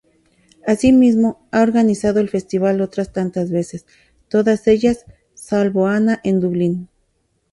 Asimismo, ha organizado el Festival otras tantas veces; todas ellas, salvo una, en Dublín.